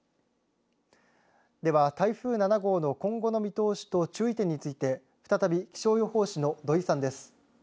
では、台風７号の今後の見通しと注意点について再び気象予報士の土井さんです。